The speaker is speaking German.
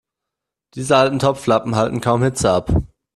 Diese alten Topflappen halten kaum Hitze ab.